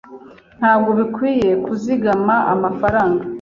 Ntabwo bikwiye kuzigama amafaranga.